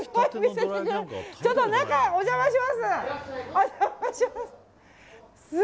ちょっと中へお邪魔します。